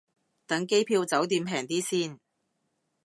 等機票酒店平啲先